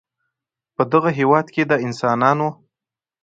په دغه هېواد کې د انسانانو